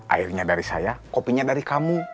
airnya dari saya kopinya dari kamu